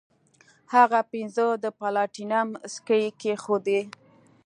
هغه پنځه د پلاټینم سکې کیښودې.